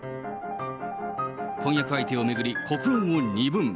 婚約相手を巡り、国論を二分。